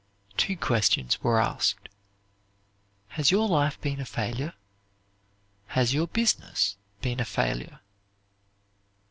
Two questions were asked: "Has your life been a failure? Has your business been a failure?"